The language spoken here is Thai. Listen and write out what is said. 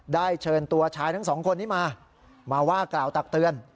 ได้เชิญตัวชายทั้ง๒คนมามาว่ากล่าวตักเตือน